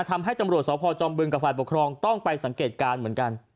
ทำให้ตำรวจสพจอมบึงกับฝ่ายปกครองต้องไปสังเกตการณ์เหมือนกัน